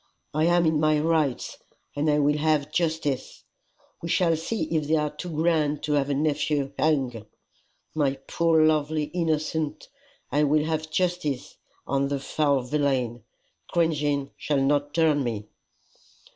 I am in my rights, and I will have justice. We shall see if they are too grand to have a nephew hung! My poor lovely innocent! I will have justice on the foul villain. Cringing shall not turn me."